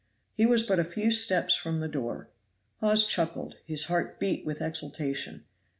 He was but a few steps from the door. Hawes chuckled; his heart beat with exultation.